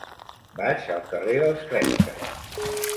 Vaig al carrer dels Cresques.